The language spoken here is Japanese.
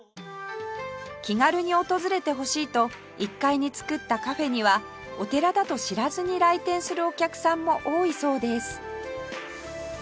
気軽に訪れてほしいと１階に作ったカフェにはお寺だと知らずに来店するお客さんも多いそうです